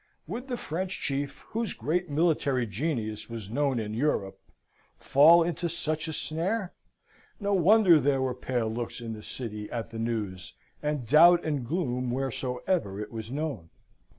Would the French chief, whose great military genius was known in Europe, fall into such a snare? No wonder there were pale looks in the City at the news, and doubt and gloom wheresoever it was known.